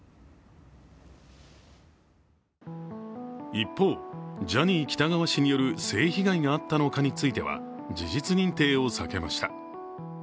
一方、ジャニー喜多川氏による性被害があったのかについては、事実認定を避けました。